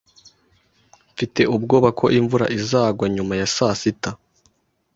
Mfite ubwoba ko imvura izagwa nyuma ya saa sita.